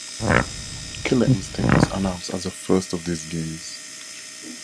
"Killer Instinct" was announced as the first of these games.